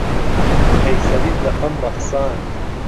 قەیسەریت لە خەم ڕەخساند.